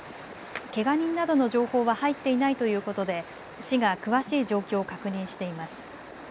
けが人などの情報は入っていないということで市が詳しい状況を確認しています。